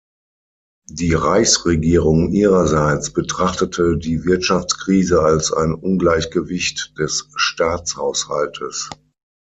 Die Reichsregierung ihrerseits betrachtete die Wirtschaftskrise als ein Ungleichgewicht des Staatshaushaltes.